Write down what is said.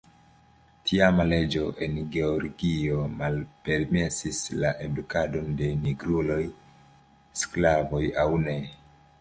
Tiama leĝo en Georgio malpermesis la edukadon de nigruloj, sklavoj aŭ ne.